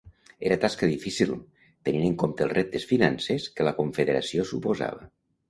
Era tasca difícil, tenint en compte els reptes financers que la Confederació suposava.